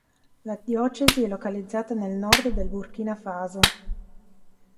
La diocesi è localizzata nel nord del Burkina Faso.